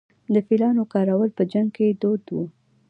د فیلانو کارول په جنګ کې دود و